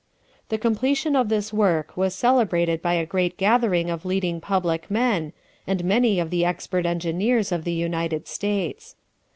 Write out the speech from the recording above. The completion of this work was celebrated by a great gathering of leading public men, and many of the expert engineers of the United States.